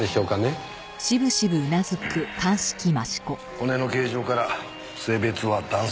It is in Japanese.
骨の形状から性別は男性。